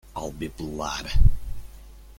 I'll be Blood.